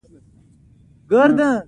چې خوشحاله او سوکاله وي.